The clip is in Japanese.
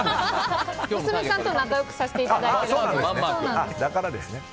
娘さんと仲良くさせていただいてるので。